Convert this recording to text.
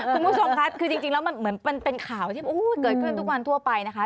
คุณผู้ชมค่ะคือจริงแล้วมันเหมือนมันเป็นข่าวที่เกิดขึ้นทุกวันทั่วไปนะคะ